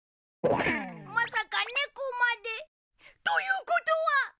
まさかネコまで。ということは。